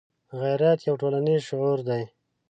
غیرت یو ټولنیز شعور دی